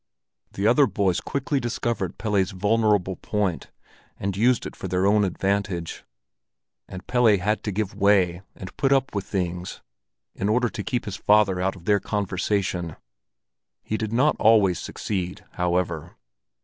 The other boys quickly discovered Pelle's vulnerable point, and used it for their own advantage; and Pelle had to give way and put up with things in order to keep his father out of their conversation. He did not always succeed, however.